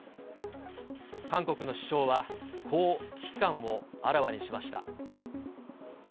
韓国の首相は、こう危機感をあらわにしました。